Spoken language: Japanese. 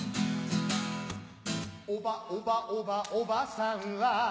おばおばおばおばさんは